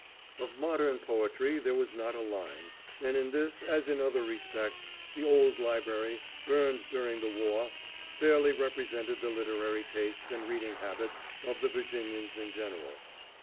Of modern poetry there was not a line, and in this, as in other respects, the old library burned during the war fairly represented the literary tastes and reading habits of the Virginians in general.